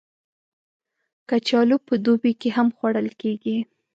کچالو په دوبی کې هم خوړل کېږي